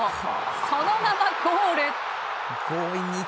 そのまま、ゴール。